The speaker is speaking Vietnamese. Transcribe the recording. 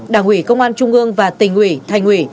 đảng ủy công an trung ương và tỉnh ủy thành ủy